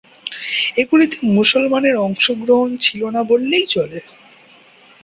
এগুলিতে মুসলমানের অংশগ্রহণ ছিল না বললেই চলে।